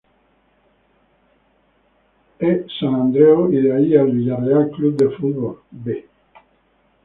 E. Sant Andreu y de ahí al Villarreal C. F. "B".